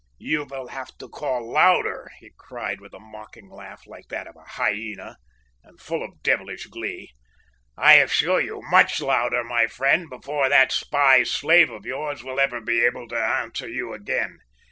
"`You will have to call louder,' he cried with a mocking laugh like that of a hyena, and full of devilish glee. `I assure you, much louder, my friend, before that spy slave of yours will ever be able to answer you again!'